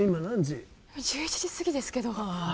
１１時すぎですけどあ